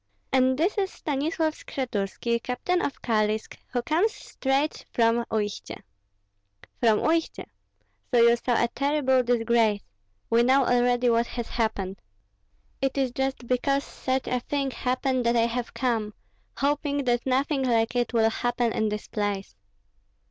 "And this is Stanislav Skshetuski, captain of Kalisk, who comes straight from Uistsie." "From Uistsie? So you saw a terrible disgrace. We know already what has happened." "It is just because such a thing happened that I have come, hoping that nothing like it will happen in this place."